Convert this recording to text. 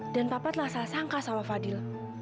dan papa telah salah sangka sama fadil